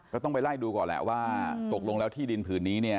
ก็ต้องไปไล่ดูก่อนแหละว่าตกลงแล้วที่ดินผืนนี้เนี่ย